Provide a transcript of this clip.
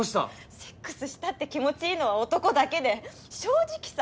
セックスしたって気持ちいいのは男だけで正直さ